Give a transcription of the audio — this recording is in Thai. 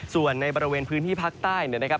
ส่วนในบริเวณพื้นที่ภาคใต้เนี่ยนะครับ